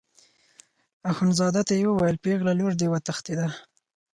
اخندزاده ته یې وویل پېغله لور دې وتښتېده.